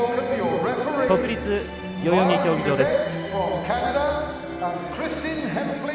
国立代々木競技場です。